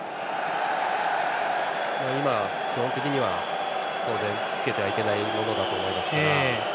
今、基本的には当然つけてはいけないものだと思いますから。